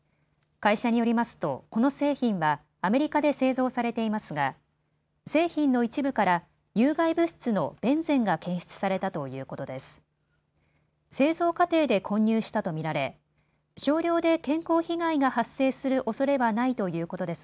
会社によりますとこの製品はアメリカで製造されていますが製品の一部から有害物質のベンゼンが検出されたということです。